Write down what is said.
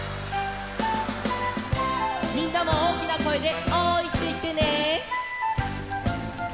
みんなもおおきなこえで「おい！」っていってね。